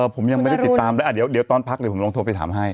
ผมยังไม่ได้ติดตามเลยเดี๋ยวตอนพักเดี๋ยวผมลองโทรไปถามให้